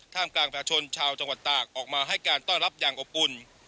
กลางประชาชนชาวจังหวัดตากออกมาให้การต้อนรับอย่างอบอุ่น